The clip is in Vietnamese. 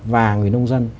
và người nông dân